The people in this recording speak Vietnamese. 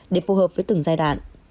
để phù hợp với từng giai đoạn